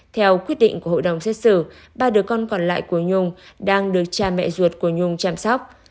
theo quyết định của hội đồng xét xử ba đứa con còn lại của nhung đang được cha mẹ ruột của nhung chăm sóc